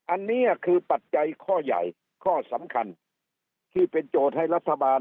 อันนี้คือปัจจัยข้อใหญ่ข้อสำคัญที่เป็นโจทย์ให้รัฐบาล